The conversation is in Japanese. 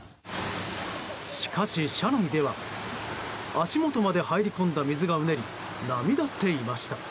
しかし車内では足元まで入り込んだ水がうねり波立っていました。